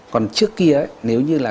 còn trước kia nếu như là